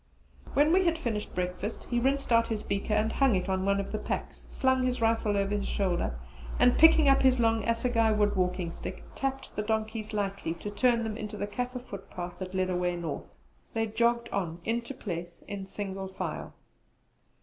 When we had finished breakfast he rinsed out his beaker and hung it on one of the packs, slung his rifle over his shoulder, and picking up his long assegai wood walking stick tapped the donkeys lightly to turn then into the Kaffir footpath that led away North. They jogged on into place in single file.